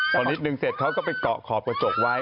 พอนิดนึงเสร็จเขาก็ไปเกาะขอบกระจกไว้